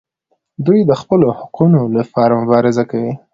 دوی د خپلو حقونو لپاره مبارزه کوي.